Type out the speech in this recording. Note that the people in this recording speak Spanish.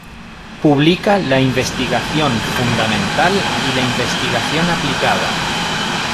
Publica la investigación fundamental y la investigación aplicada.